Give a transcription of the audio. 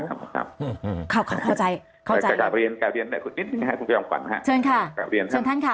ก่อนแล้วจะกลับเรียนเข้าแล้วกัน